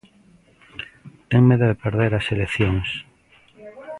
Ten medo de perder as eleccións?